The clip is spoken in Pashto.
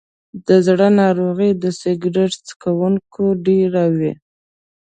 د زړه ناروغۍ د سګرټ څکونکو کې ډېرې وي.